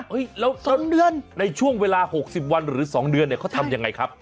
เฮ้ยแล้วในช่วงเวลา๖๐วันหรือ๒เดือนเนี้ยเขาทำยังไงครับ